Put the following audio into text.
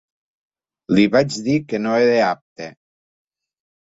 Li vaig dir que no era apte.